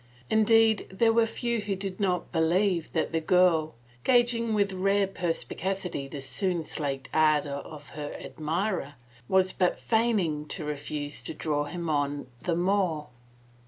Indeed, there were few who did not believe that the girl, gauging with rare perspicacity the soon slaked ardor of her admirer, was but feigning to refuse to draw him on the more.